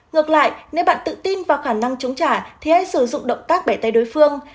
ngược lại nếu bạn tự tin vào khả năng chống trả thì hãy sử dụng động tác bẻ tay đối phương